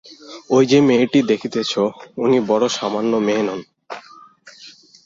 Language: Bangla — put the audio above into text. ওই যে মেয়েটি দেখিতেছ, উনি বড়ো সামান্য মেয়ে নন।